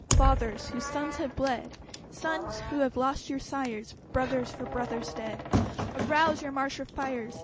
Fathers, whose sons have bled! Sons, who have lost your sires! Brothers, for brothers dead, Arouse your martial fires!